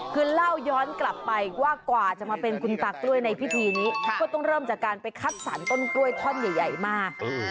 คือเล่าย้อนกลับไปว่ากว่าจะมาเป็นคุณตากล้วยในพิธีนี้ก็ต้องเริ่มจากการไปคัดสรรต้นกล้วยท่อนใหญ่มาก